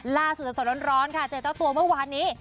สดร้อนค่ะเจอเจ้าตัวเมื่อวานนี้